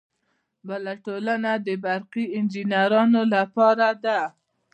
بله ټولنه د برقي انجینرانو لپاره ده.